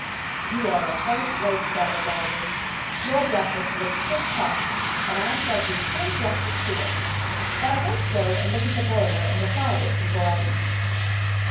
" You are a first rate fellow, Lawry. Your break fast looks tip top, and I shall do full justice to it ; but I must go and look at the boiler and the fares before I eat."